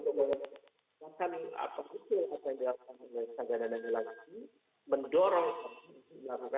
untuk mengatakan apa itu yang terjadi pada sdn nenggolan ini mendorong keputusan melakukan tindakan bergerak